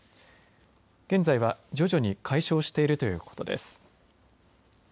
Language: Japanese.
現在は徐々に解消しているということです。